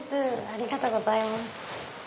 ありがとうございます。